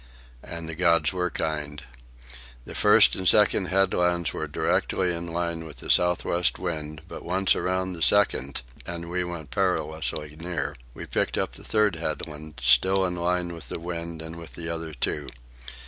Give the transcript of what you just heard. And the gods were kind. The first and second headlands were directly in line with the south west wind; but once around the second,—and we went perilously near,—we picked up the third headland, still in line with the wind and with the other two.